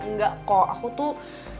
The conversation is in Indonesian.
enggak kok aku tuh